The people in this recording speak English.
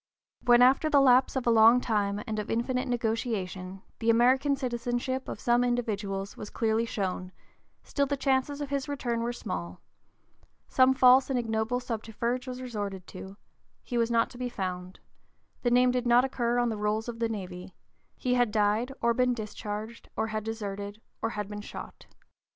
When after the lapse of a long time and of infinite negotiation the American citizenship of some individual was clearly shown, still the chances of his return were small; some false and ignoble subterfuge was resorted to; he was not to be found; the name did not occur on the rolls of the navy; he had died, or been discharged, or had deserted, or had been shot.